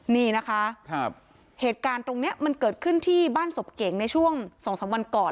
นี่นะคะเหตุการณ์ตรงนี้มันเกิดขึ้นที่บ้านศพเก่งในช่วง๒๓วันก่อน